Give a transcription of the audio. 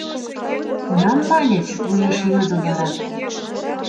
— Кунам, маньыч? — уэш йодо вара.